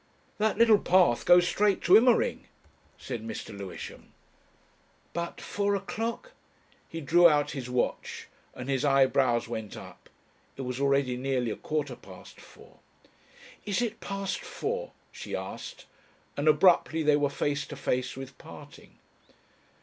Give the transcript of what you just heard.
"That little path goes straight to Immering," said Mr. Lewisham. "But, four o'clock?" He drew out his watch, and his eyebrows went up. It was already nearly a quarter past four. "Is it past four?" she asked, and abruptly they were face to face with parting.